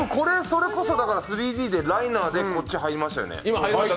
それこそ３Ｄでライナーで入りましたよね。